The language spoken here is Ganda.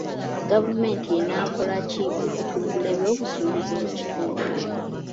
Gavumenti enaakola ki okutumbula ebyobusuubuzi mu kitundu?